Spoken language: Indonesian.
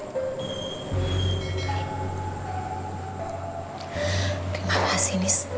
terima kasih nis